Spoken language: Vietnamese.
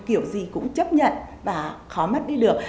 kiểu gì cũng chấp nhận và khó mất đi được